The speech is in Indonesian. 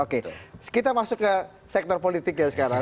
oke kita masuk ke sektor politik ya sekarang